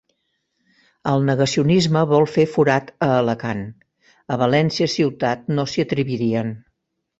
El negacionisme vol fer forat a Alacant. A València ciutat no s'hi atrevirien.